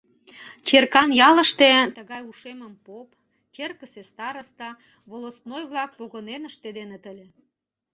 Черкан ялыште тыгай ушемым поп, черкысе староста, волостной-влак погынен ыштеденыт ыле.